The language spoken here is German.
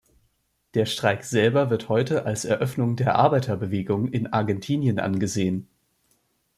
Der Streik selber wird heute als Eröffnung der Arbeiterbewegung in Argentinien angesehen.